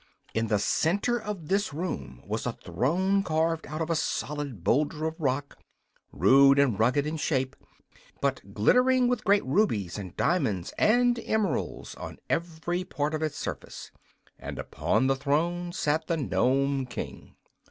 In the center of this room was a throne carved out of a solid boulder of rock, rude and rugged in shape but glittering with great rubies and diamonds and emeralds on every part of its surface. And upon the throne sat the Nome King.